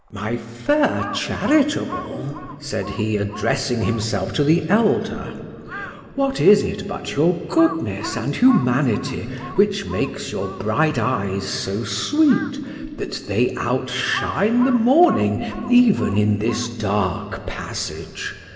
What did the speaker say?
My fair charitable! said he, addressing himself to the elder,—what is it but your goodness and humanity which makes your bright eyes so sweet, that they outshine the morning even in this dark passage?